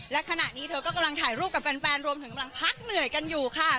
และขณะนี้เธอก็กำลังถ่ายรูปกับแฟนรวมถึงกำลังพักเหนื่อยกันอยู่ค่ะ